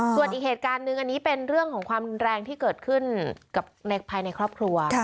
ส่วนอีกเหตุการณ์หนึ่งอันนี้เป็นเรื่องของความแรงที่เกิดขึ้นกับภายในครอบครัว